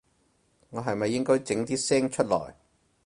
我係咪應該整啲聲出來